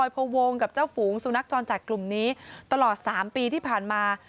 พวงกับเจ้าฝูงสุนัขจรจัดกลุ่มนี้ตลอด๓ปีที่ผ่านมา